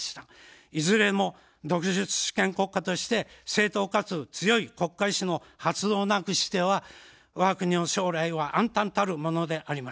いずれも独立主権国家として正当かつ強い国家意志の発動なくしてはわが国の将来は暗たんたるものであります。